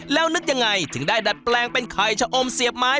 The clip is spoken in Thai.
แล้วนึกยังไงถึงได้ดัดแปลงเป็นไข่ชะอมเสียบไม้